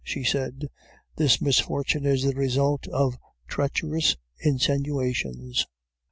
she said, 'this misfortune is the result of treacherous insinuations.